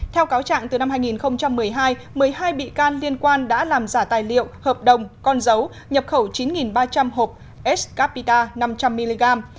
theo cáo trạng từ năm hai nghìn một mươi hai một mươi hai bị can liên quan đã làm giả tài liệu hợp đồng con dấu nhập khẩu chín ba trăm linh hộp s capita năm trăm linh mg